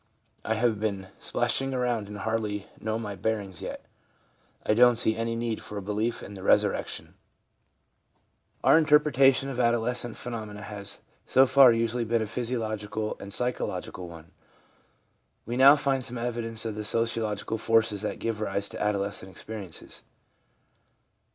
I have been splashing around and hardly know my bearings yet. I don't see any need for a belief in the resurrection/ Our interpretation of adolescent phenomena has so far usually been a physiological and psychological one ; we now find some evidence of the sociological forces that give rise to adolescent experiences.